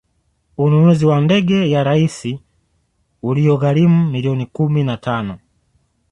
ununuzi wa ndege ya rais uliyoigharimu milioni kumi na tano